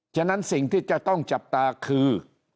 ฉะนั้นสิ่งที่จะต้องจับตาคือ